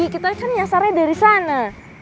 kita kan nyasarnya dari sana